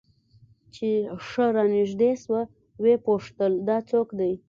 چې ښه رانژدې سوه ويې پوښتل دا څوک دى.